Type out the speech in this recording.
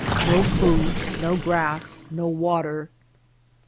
No food, no grass, no water.